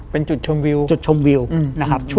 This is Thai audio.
เป็นจุดชมวิวจุดชมวิวนะครับ